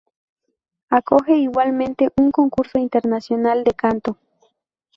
Acoge igualmente un concurso internacional de canto.